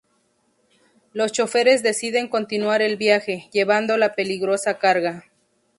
Los choferes deciden continuar el viaje, llevando la peligrosa carga.